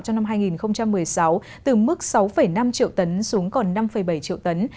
trong năm hai nghìn một mươi sáu từ mức sáu năm triệu tấn xuống còn năm bảy triệu tấn